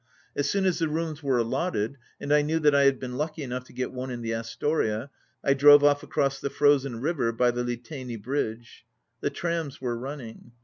As soon as the rooms were allotted and I knew that I had been lucky enough to get one in the Astoria, I drove off across the frozen river by the Liteini Bridge. The trams were running.